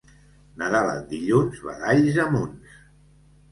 Nadal en dilluns, badalls a munts.